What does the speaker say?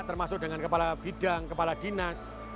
termasuk dengan kepala bidang kepala dinas